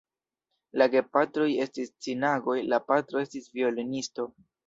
La gepatroj estis ciganoj, la patro estis violonisto.